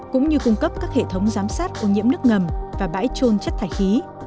cũng như cung cấp các hệ thống giám sát ô nhiễm nước ngầm và bãi trôn chất thải khí